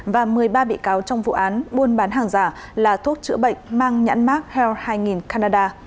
và một mươi ba bị cáo trong vụ án buôn bán hàng giả là thuốc chữa bệnh mang nhãn mark heal hai canada